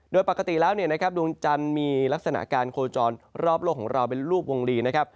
โดยปกติแล้วดวงจันทร์มีลักษณะการโคลนศรรพโลกของเราเป็นรูปวงรีนะครับ